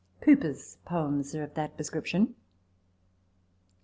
Cowper's poems are of that description.